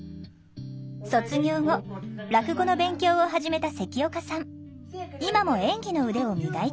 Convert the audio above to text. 卒業後落語の勉強を始めた関岡さん。